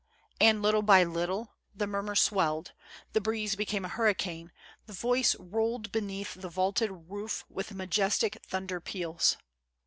And, little by little, the murmur swelled, the breeze became a hurricane, the voice rolled beneath the vaulted roof with majestic thunder peals.